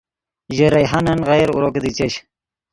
ژے ریحانن غیر اورو کیدی چش